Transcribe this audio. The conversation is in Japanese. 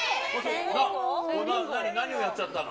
何をやっちゃったの？